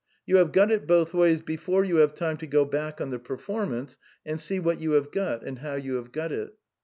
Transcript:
You have got it both ways before you have time to go back on the performance and see what you have got and how you have got it.